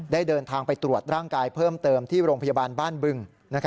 เดินทางไปตรวจร่างกายเพิ่มเติมที่โรงพยาบาลบ้านบึง